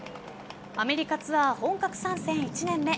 アメリカツアー本格参戦１年目。